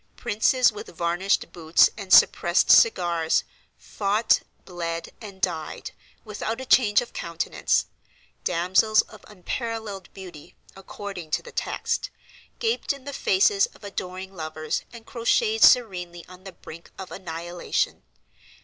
Princes, with varnished boots and suppressed cigars, fought, bled, and died, without a change of countenance. Damsels of unparalleled beauty, according to the text, gaped in the faces of adoring lovers, and crocheted serenely on the brink of annihilation.